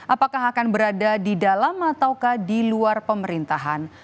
apakah akan berada di dalam ataukah di luar pemerintahan